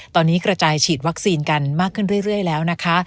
ตอนนี้กระจายฉีดวัคซีนกันมากขึ้นเรื่อยแล้วนะคะ